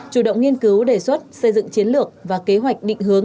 chủ động nghiên cứu đề xuất xây dựng chiến lược và kế hoạch định hướng